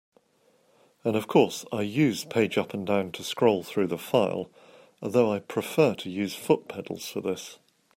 And of course I use page up and down to scroll through the file, although I prefer to use foot pedals for this.